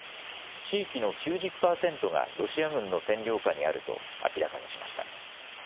地域の９０％がロシア軍の占領下にあると明らかにしました。